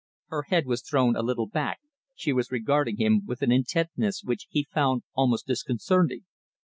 Her head was thrown a little back, she was regarding him with an intentness which he found almost disconcerting.